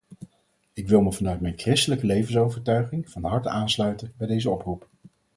Ik wil me vanuit mijn christelijke levensovertuiging van harte aansluiten bij deze oproep.